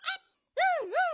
うんうん。